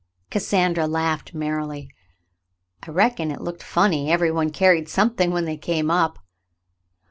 Cassandra laughed merrily. "I reckon it looked funny. Every one carried something when they came up.